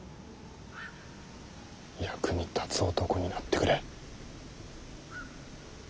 役に立つ男になってくれ。